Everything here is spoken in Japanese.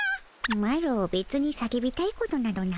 マロべつに叫びたいことなどないのでの。